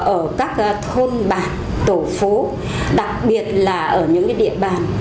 ở các thôn bạc tổ phố đặc biệt là ở những địa bàn